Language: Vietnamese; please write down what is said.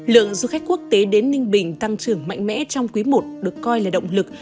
lượng du khách quốc tế đến ninh bình tăng trưởng mạnh mẽ trong quý i được coi là động lực